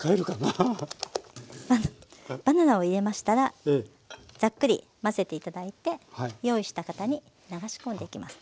あのバナナを入れましたらザックリ混ぜて頂いて用意した型に流し込んでいきます。